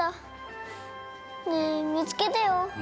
ねえ見つけてよ。